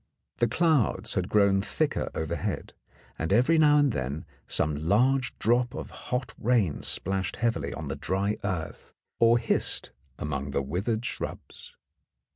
The clouds had grown thicker overhead, and every now and then some large drop of hot rain splashed heavily on the dry earth or hissed among the withered shrubs.